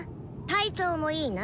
体調もいいな？